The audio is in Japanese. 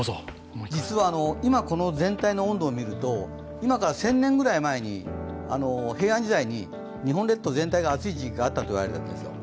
実は今、この全体の温度を見ると今から１０００年ぐらい前、平安時代に日本列島全体が暑い時期があったといわれているんですよ。